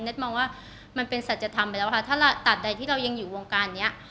มองว่ามันเป็นสัจธรรมไปแล้วค่ะถ้าตัดใดที่เรายังอยู่วงการนี้